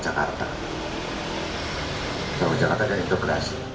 jangan lupa untuk beri komentar dan beri komentar